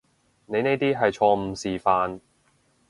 你呢啲係錯誤示範